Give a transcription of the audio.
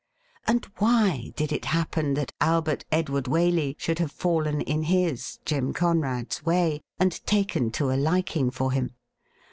And why did it happen that Albert Edward Waley should have fallen in his, Jim Conrad's, way, and taken to a liking for him?